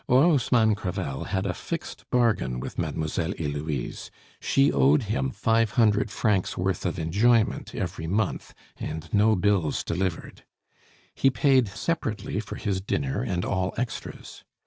Orosmanes Crevel had a fixed bargain with Mademoiselle Heloise; she owed him five hundred francs worth of enjoyment every month, and no "bills delivered." He paid separately for his dinner and all extras.